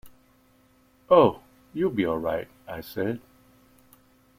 "Oh, you'll be all right," I said.